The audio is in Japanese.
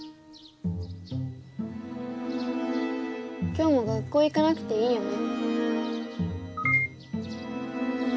今日も学校行かなくていいよね。